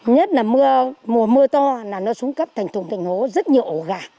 nhất là mùa mùa mưa to là nó xuống cấp thành thùng thành hố rất nhiều ổ gà